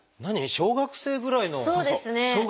小学生ぐらいの。